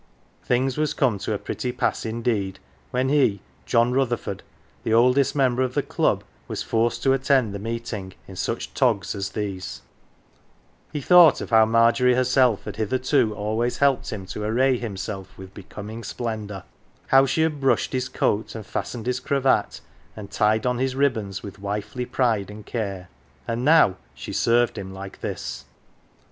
Things was come to a pretty pass indeed when he, John Rutherford, the oldest member of the Club, was forced to attend the meeting in such " togs " as these ! He thought of how Margery herself had hitherto always helped him to array himself with becoming splendour ; 125 "THE GILLY F'ERS" how she had brushed his coat and fastened his cravat and tied on his ribbons with wifely pride and care ; and now she served him like this